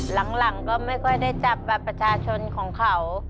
หลังก็ไม่ค่อยได้จับบัตรประชาชนของเขา